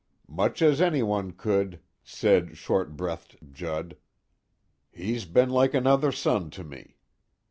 "Much as anyone could," said short breathed Judd, "he's been like another son to me.